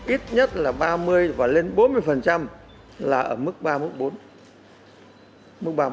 ít nhất là ba mươi và lên bốn mươi là ở mức ba mức bốn